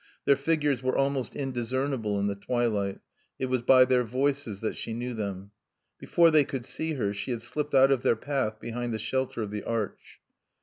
Their figures were almost indiscernible in the twilight. It was by their voices that she knew them. Before they could see her she had slipped out of their path behind the shelter of the arch.